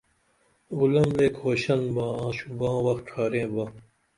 غلم لے کھوشن با آں شُباں وخت ڇھارینبا